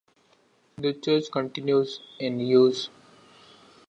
The church continues in use.